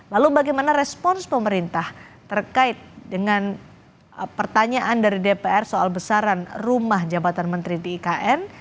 lalu bagaimana respons pemerintah terkait dengan pertanyaan dari dpr soal besaran rumah jabatan menteri di ikn